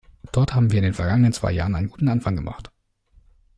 Dort haben wir in den vergangenen zwei Jahren einen guten Anfang gemacht.